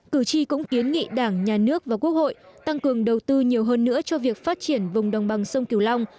cử tri cũng kiến nghị đảng nhà nước và quốc hội tăng cường đầu tư nhiều hơn nữa cho việc phát triển vùng đồng bằng sông kiều long